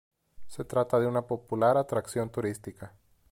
Se trata de una popular atracción turística.